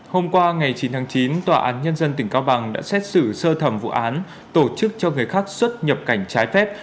hôm qua ngày chín tháng chín tòa án nhân dân tỉnh cao bằng đã xét xử sơ thẩm vụ án tổ chức cho người khác xuất nhập cảnh trái phép